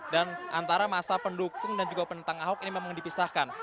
dan antara masa pendukung dan juga penentang ahok ini memang dipisahkan